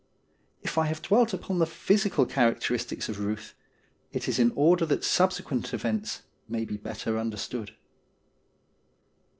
If I have dwelt upon the physical charac teristics of Euth, it is in order that subsequent events may be better understood.